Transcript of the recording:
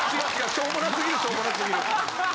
しょうもなすぎるしょうもなすぎる。